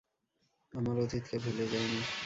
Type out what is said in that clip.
আমার অতীতকে ভুলে যাইনি।